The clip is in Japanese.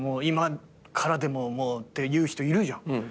今からでももうって言う人いるじゃん。